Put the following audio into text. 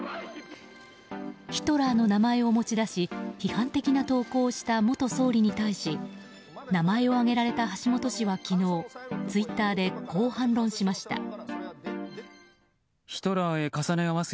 ヒトラーの名前を持ち出し批判的な投稿をした元総理に対し名前を挙げられた橋下氏は昨日ツイッターでこう反論しました。